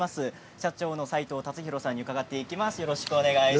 社長の斎藤辰洋さんに伺っていきます。